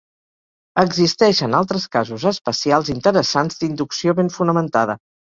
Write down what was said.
Existeixen altres casos especials interessants d'inducció ben fonamentada.